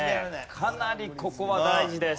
かなりここは大事です。